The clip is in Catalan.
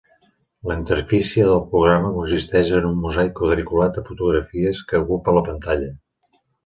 La interfície del programa consisteix en un mosaic quadriculat de fotografies que ocupa la pantalla.